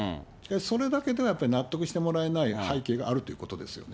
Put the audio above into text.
それだけではやっぱり、納得してもらえない背景があるということですよね。